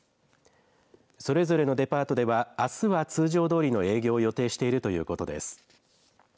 それぞれのデパートでは、あすは通常どおりの営業を予定しているということです。